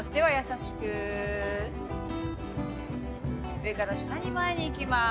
上から下に前に行きます。